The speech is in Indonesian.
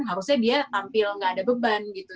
harusnya dia tampil nggak ada beban gitu